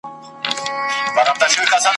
طبیب وویل چي روغه سوې پوهېږم ,